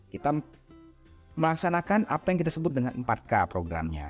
kita melaksanakan apa yang kita sebut dengan empat k programnya